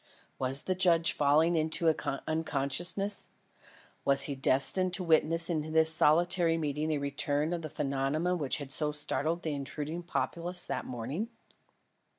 Was the judge falling again into unconsciousness? Was he destined to witness in this solitary meeting a return of the phenomenon which had so startled the intruding populace that morning?